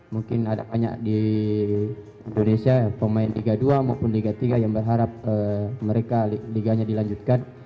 mungkin ada banyak di indonesia pemain liga dua maupun liga tiga yang berharap mereka liganya dilanjutkan